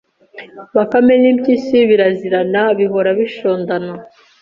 Bakame n’impyisi birazirana bihora bishondana